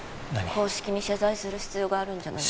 公式に謝罪する必要があるんじゃない？